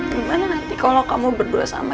gimana nanti kalau kamu berdua sama